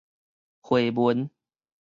回文